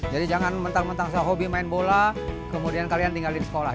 jadi jangan mentang mentang saya hobi main bola kemudian kalian tinggal di sekolah